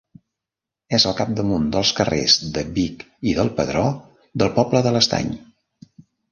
És al capdamunt dels carrers de Vic i del Pedró, del poble de l'Estany.